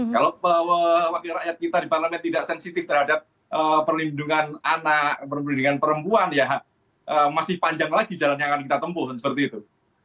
kalau wakil rakyat kita di parlement tidak sensitif terhadap perlindungan anak perlindungan perempuan ya masih panjang lagi jalan yang akan kita tempuh dan seperti itu